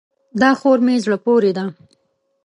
دا خور مې زړه پورې ده.